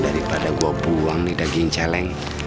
daripada gua buang nih daging caleng